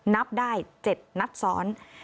นับได้๗นัดซ้อน